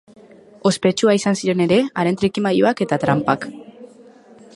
Ospetsua izan ziren ere haren trikimailuak eta tranpak.